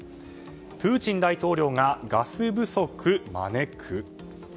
プーチン大統領がガス不足招く。